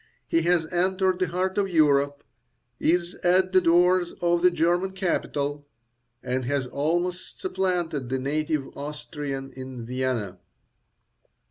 He has entered the heart of Europe, is at the doors of the German capital, and has almost supplanted the native Austrian in Vienna.